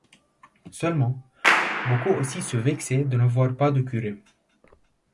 Seulement, beaucoup aussi se vexaient de n’avoir pas de curé.